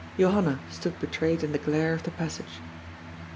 Johanna stood betrayed in the glare of the passage.